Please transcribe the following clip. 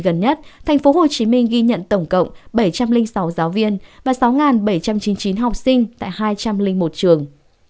gần nhất tp hcm ghi nhận tổng cộng bảy trăm linh sáu giáo viên và sáu bảy trăm chín mươi chín học sinh tại hai trăm linh một trường